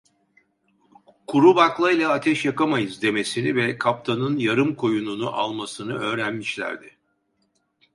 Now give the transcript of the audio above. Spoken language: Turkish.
"Kuru baklayla ateş yakamayızl" demesini ve kaptanın yarım koyununu almasını öğrenmişlerdi…